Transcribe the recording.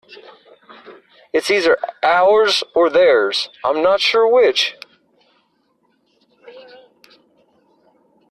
It's either ours or theirs, I'm not sure which.